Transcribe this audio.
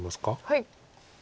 はい。